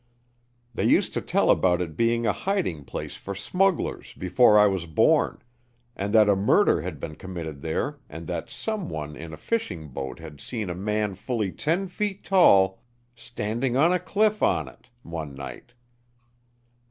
They used to tell about it being a hiding place for smugglers before I was born, and that a murder had been committed there and that some one in a fishing boat had seen a man fully ten feet tall, standing on a cliff on it, one night.